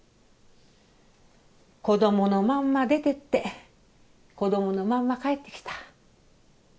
子どものまんま出てって子どものまんま帰って来た。